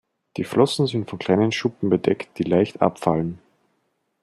Die Flossen sind von kleinen Schuppen bedeckt, die leicht abfallen.